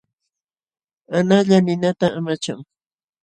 Analla ninata amachan.